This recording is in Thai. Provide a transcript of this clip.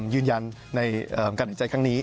ยืนยันในการหายใจครั้งนี้